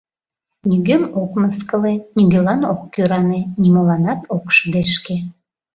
Нигӧм ок мыскыле, нигӧлан ок кӧране, нимоланат ок шыдешке.